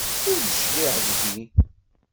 Ur d-tecliɛ deg-i.